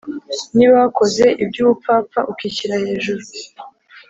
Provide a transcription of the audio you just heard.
“niba wakoze iby’ubupfapfa ukishyira ejuru